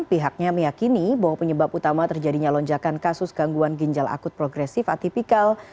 pihaknya meyakini bahwa penyebab utama terjadinya lonjakan kasus gangguan ginjal akut progresif atipikal